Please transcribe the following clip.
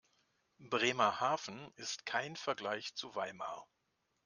Bremerhaven ist kein Vergleich zu Weimar